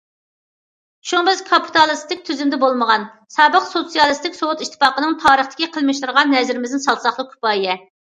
شۇڭا بىز كاپىتالىستىك تۈزۈمدە بولمىغان، سابىق سوتسىيالىستىك سوۋېت ئىتتىپاقىنىڭ تارىختىكى قىلمىشلىرىغا نەزىرىمىزنى سالساقلا كۇپايە.